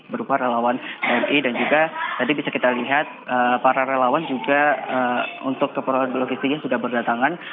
berupa relawan pmi dan juga tadi bisa kita lihat para relawan juga untuk keperluan logistiknya sudah berdatangan